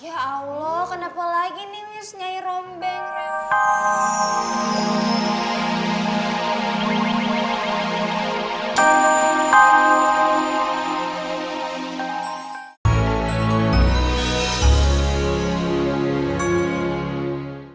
ya allah kenapa lagi nih senyai rombeng re